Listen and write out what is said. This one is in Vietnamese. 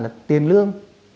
là tiền lương